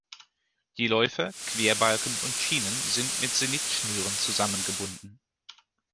Die Läufer, Querbalken und Schienen sind mit Sennitschnüren zusammengebunden.